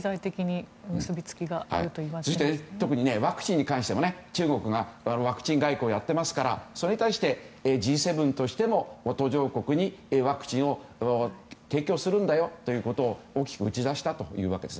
また、ワクチンについても特に中国はワクチン外交をやっていますからそれに対してＧ７としても途上国にワクチンを提供するんだよということを大きく打ち出したわけです。